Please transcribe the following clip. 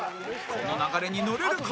この流れに乗れるか？